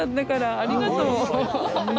ありがとう。